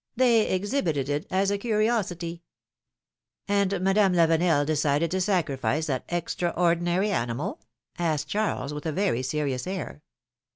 They exhibited it as a curiosity '^And Madame Lavenel decided to sacrifice that extraordinary animal asked Charles, with a very serious air.